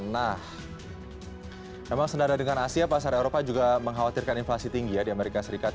namun senara dengan asia pasar eropa juga mengkhawatirkan inflasi tinggi di amerika serikat